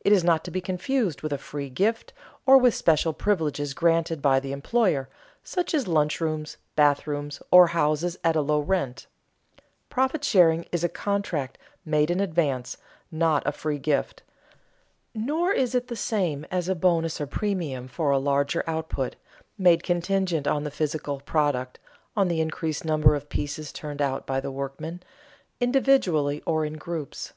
It is not to be confused with a free gift, or with special privileges granted by the employer, such as lunch rooms, bathrooms or houses at a low rent. Profit sharing is a contract made in advance, not a free gift. Nor is it the same as a bonus or premium for a larger output, made contingent on the physical product, on the increased number of pieces turned out by the workmen, individually or in groups.